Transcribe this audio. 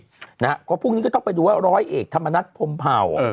เพราะพรุ่งนี้ก็ต้องไปดูว่าร้อยเอกธรรมนัฐพรมเผ่า